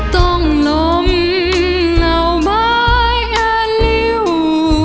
ต้องลงแล้วไม่อันหิว